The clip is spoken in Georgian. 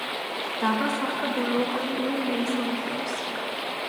დაბას ახლა დეველოპერი უეინ მეისონი ფლობს.